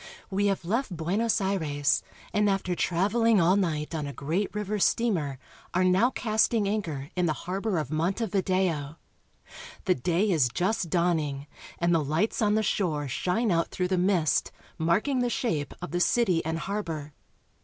We have left Buenos Aires, and after traveling all night on a great river steamer are now casting anchor in the harbor of Montevideo. The day is just dawning, and the lights on the shore shine out through the mist, mark ing the shape of the city and harbor.